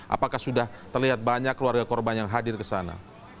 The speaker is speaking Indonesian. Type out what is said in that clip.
apakah sudah terlihat banyak keluarga korban yang hadir ke sana